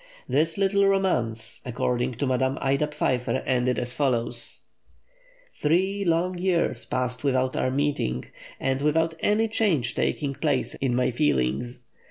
The little romance, according to Madame Ida Pfeiffer, ended as follows: "Three long years passed without our meeting, and without any change taking place in my feelings.